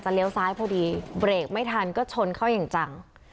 เลี้ยวซ้ายพอดีเบรกไม่ทันก็ชนเข้าอย่างจัง